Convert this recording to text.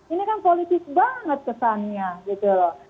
ini kan politis banget kesannya gitu loh